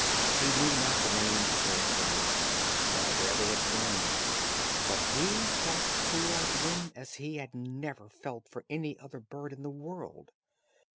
He knew not the names of these birds, nor where they had flown, but he felt towards them as he had never felt for any other bird in the world.